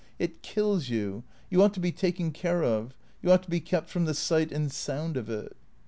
It kills you. You ought to be taken care of. You ought to be kept from the sight and sound of it."